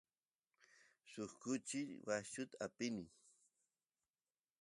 suk kuchi washchu apini